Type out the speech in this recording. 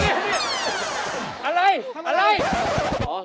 อย่าเอาอีก